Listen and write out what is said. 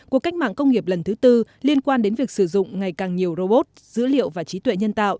cuộc cách mạng công nghiệp lần thứ tư liên quan đến việc sử dụng ngày càng nhiều robot dữ liệu và trí tuệ nhân tạo